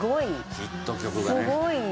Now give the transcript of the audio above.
ヒット曲がね。